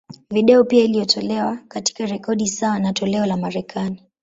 Video pia iliyotolewa, katika rekodi sawa na toleo la Marekani.